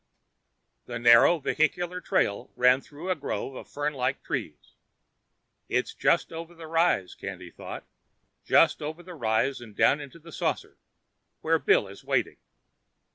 The narrow vehicular trail ran through a grove of fernlike trees. It's just over the rise, Candy thought, just over the rise and down into the saucer, where Bill is waiting....